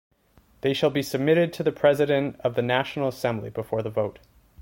They shall be submitted to the President of the National Assembly before the vote.